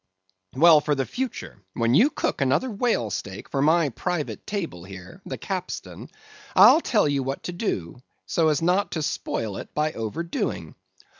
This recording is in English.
Well, for the future, when you cook another whale steak for my private table here, the capstan, I'll tell you what to do so as not to spoil it by overdoing.